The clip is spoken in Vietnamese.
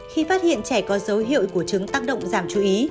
khi phát hiện trẻ có dấu hiệu của chứng tác động giảm chú ý